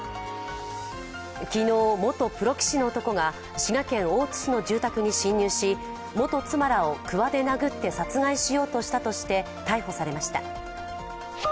昨日、元プロ棋士の男が滋賀県大津市の住宅に侵入し元妻らをくわで殴って殺害しようとしたとして逮捕されました。